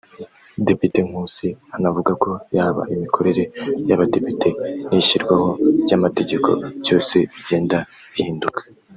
Depite Nkusi anavuga ko yaba imikorere y’abadepite n’ishyirwaho ry’amategeko byose bigenda bihinduka